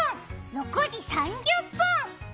６時３０分！